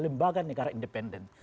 lembaga negara independen